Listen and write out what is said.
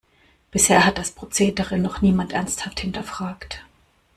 Bisher hat das Prozedere noch niemand ernsthaft hinterfragt.